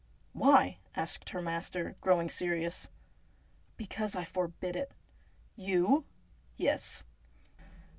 ' Why ?' asked her master, growing serious. ' Because I forbid it.' ' You ?'' Yes.'